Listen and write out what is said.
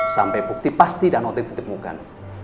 sampai bukti pasti dan otif ditemukan